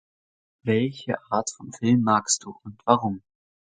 Welche Art von Film magst Du? Und warum?